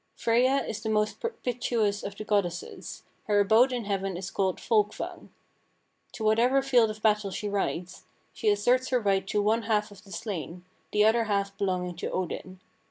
Freyja is the most propitious of the goddesses; her abode in heaven is called Folkvang. To whatever field of battle she rides, she asserts her right to one half of the slain, the other half belonging to Odin.